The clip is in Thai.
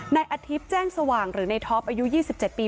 นายอาทิตย์แจ้งสว่างหรือในท็อปอายุ๒๗ปี